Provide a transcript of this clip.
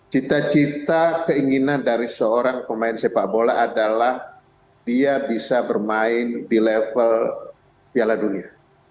cita cita keinginan dari seorang pemain sepak bola adalah dia bisa bermain di level piala dunia